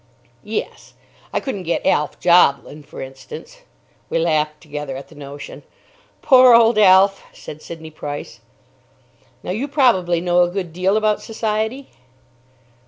"Yes. I couldn't get Alf Joblin, for instance." We laughed together at the notion. "Poor old Alf!" said Sidney Price. "Now you probably know a good deal about Society?"